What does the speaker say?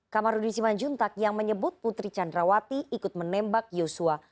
kamarudin simanjuntak yang menyebut putri candrawati ikut menembak yosua